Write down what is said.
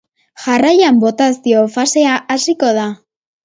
Jarraian, botazio fasea hasiko da.